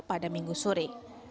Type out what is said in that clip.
pada minggu sore